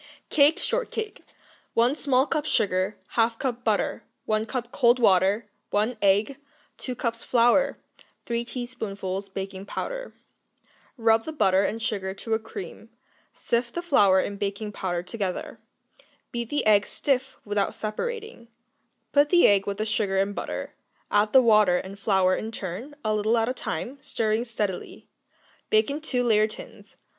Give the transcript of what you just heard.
Cake Shortcake 1 small cup sugar. 1/2 cup butter. 1 cup cold water. 1 egg. 2 cups flour. 3 teaspoonfuls baking powder. Rub the butter and sugar to a cream; sift the flour and baking powder together; beat the egg stiff without separating; put the egg with the sugar and butter, add the water and flour in turn, a little at a time, stirring steadily; bake in two layer tins.